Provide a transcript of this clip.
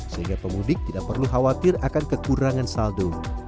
sehingga pemudik tidak perlu khawatir akan kekurangan saldo